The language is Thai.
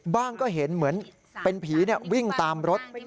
ก็เห็นเหมือนเป็นผีวิ่งตามรถ